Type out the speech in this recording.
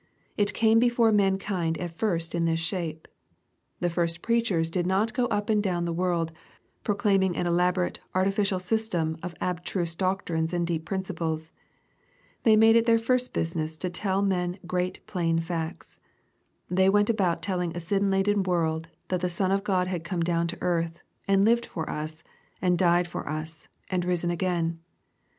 It came before mankind at first in this shape. The first preachers did not go up and down the world, proclaiming an elaborate, artificial system of abstruse doctrines and deep principles. They made it their first business to tell men great plain facts. They went about telling a sin laden world, that the Son of God had come down to earth, and lived for us, and died for us, and risen again.